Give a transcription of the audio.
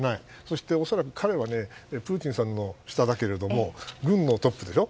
しかも、彼はプーチンさんの下だけれども軍のトップでしょ。